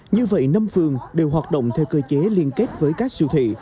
như vậy năm phường đều hoạt động theo cơ chế liên kết với các siêu thị